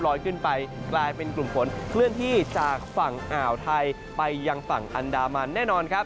ขึ้นไปกลายเป็นกลุ่มฝนเคลื่อนที่จากฝั่งอ่าวไทยไปยังฝั่งอันดามันแน่นอนครับ